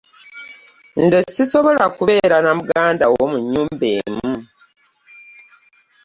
Nze sisobola kubeera ne muganda wo mu ntumba emu.